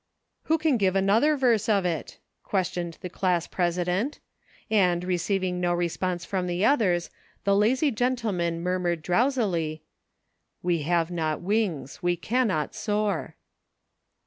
" Who can give another verse of it ?" questioned the class president, and, receiving no response from the others, the lazy gentleman murmured drowsily : "We have not wings ; we cannot soar."